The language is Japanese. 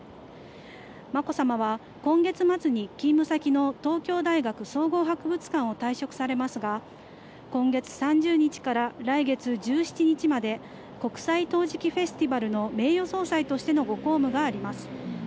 まこさまは今月末に勤務先の東京大学総合博物館を退職されますが、今月３０日から来月１７日まで、国際陶磁器フェスティバルの名誉総裁としてのご公務があります。